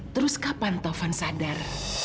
terus kapan tufan sadar